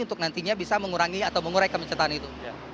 untuk nantinya bisa mengurangi atau mengurai kemacetan itu